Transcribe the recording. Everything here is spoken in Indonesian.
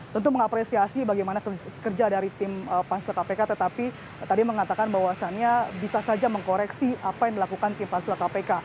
tentu mengapresiasi bagaimana kerja dari tim pansel kpk tetapi tadi mengatakan bahwasannya bisa saja mengkoreksi apa yang dilakukan tim pansel kpk